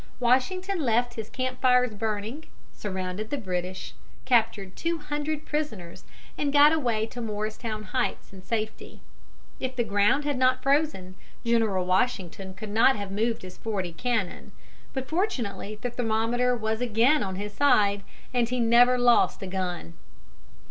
Washington left his camp fires burning, surrounded the British, captured two hundred prisoners, and got away to Morristown Heights in safety. If the ground had not frozen, General Washington could not have moved his forty cannon; but, fortunately, the thermometer was again on his side, and he never lost a gun.